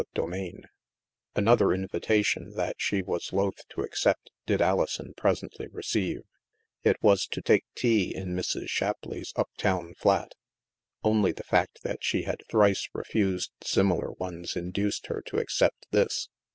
CHAPTER V Another invitation that she was loath to accept, did Alison presently receive. It was to take tea in Mrs. Shapleigh's up town flat. Only the fact that she had thrice refused similar ones induced her to accept this.